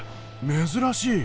珍しい。